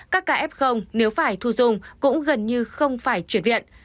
các ca f nếu phải thu dung cũng gần như không phải chuyển viện